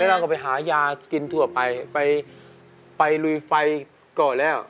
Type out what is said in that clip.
แล้วก็ไปหายากินทั่วไปไปลุยไฟก่อนแล้ว